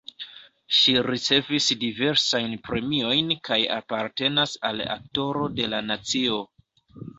Ŝi ricevis diversajn premiojn kaj apartenas al Aktoro de la nacio.